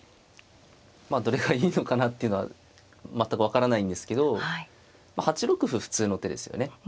まあどれがいいのかなっていうのは全く分からないんですけど８六歩普通の手ですよね。